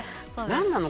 何なの？